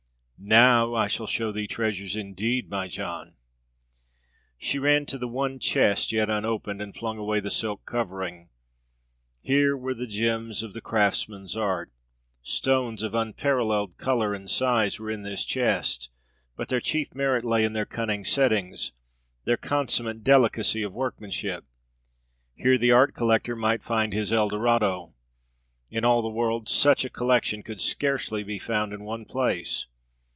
"Now I shall show thee treasures indeed, my John!" She ran to the one chest yet unopened, and flung away the silk covering. Here were the gems of the craftsman's art. Stones of unparalleled color and size were in this chest; but their chief merit lay in their cunning settings, their consummate delicacy of workmanship. Here the art collector might find his El Dorado; in all the world such a collection could scarcely be found in one place.